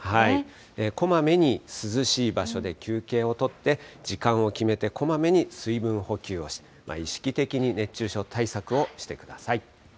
こまめに涼しい場所で休憩を取って、時間を決めて、こまめに水分補給をして、意識的に熱中症対策をしてください。